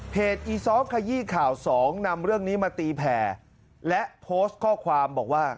อีซอฟต์ขยี้ข่าวสองนำเรื่องนี้มาตีแผ่และโพสต์ข้อความบอกว่า